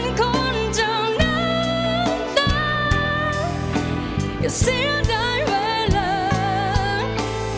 อย่าเสียได้เวลา